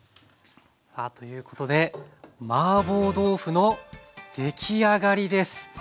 さあということでマーボー豆腐の出来上がりです。